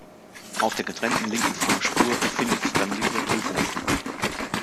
Auf der getrennten linken Fahrspur findet dann die Überprüfung statt.